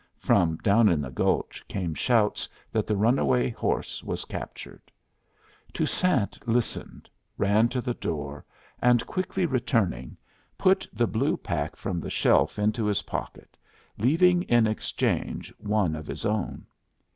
From down in the gulch came shouts that the runaway horse was captured. Toussaint listened, ran to the door, and quickly returning, put the blue pack from the shelf into his pocket, leaving in exchange one of his own.